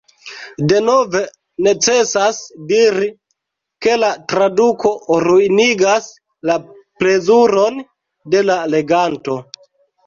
Denove necesas diri, ke la traduko ruinigas la plezuron de la leganto.